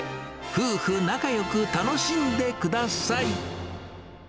夫婦仲よく楽しんでください。